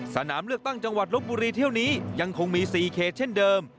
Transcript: สนามเลือกตั้งจังหวัดลบบุรีเที่ยวนี้ยังคงมี๔เขตเช่นเดิม